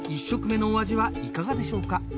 １食目のお味はいかがでしょうか？